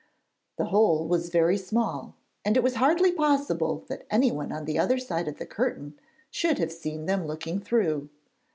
The hole was very small, and it was hardly possible that anyone on the other side of the curtain should have seen them looking through.